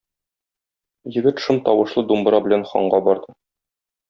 Егет шом тавышлы думбра белән ханга барды.